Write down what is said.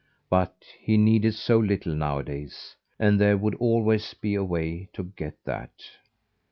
But he needed so little nowadays; and there would always be a way to get that.